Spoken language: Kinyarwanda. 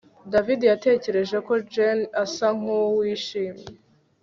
David yatekereje ko Jane asa nkuwishimye